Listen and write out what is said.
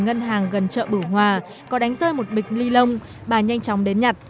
ngân hàng gần chợ bửu hòa có đánh rơi một bịch ni lông bà nhanh chóng đến nhặt